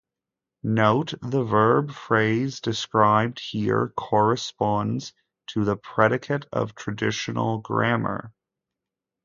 Note, the verb phrase described here corresponds to the predicate of traditional grammar.